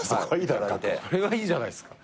それはいいじゃないっすか。